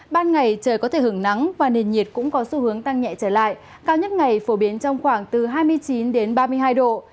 ban ngày trời có thể hứng nắng và nền nhiệt cũng có xu hướng tăng nhẹ trở lại cao nhất ngày phổ biến trong khoảng từ hai mươi chín ba mươi hai độ